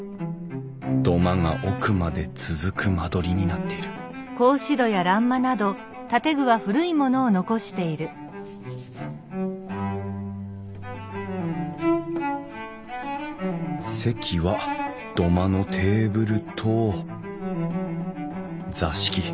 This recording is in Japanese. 土間が奥まで続く間取りになっている席は土間のテーブルと座敷。